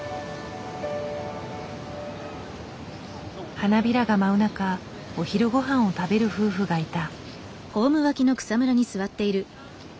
花びらが舞う中お昼御飯を食べる夫婦がいた。